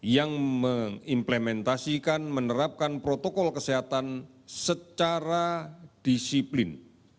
yang mengimplementasikan menerapkan protokol kesehatan secara disiplin